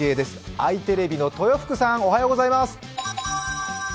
あいテレビの豊福さん、おはようございます。